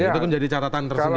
itu kan jadi catatan tersendiri